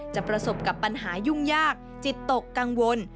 ประสบกับปัญหายุ่งยากจิตตกกังวล